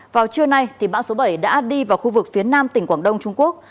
vào trưa nay bão số bảy đã đi vào khu vực phía nam tỉnh quảng đông trung quốc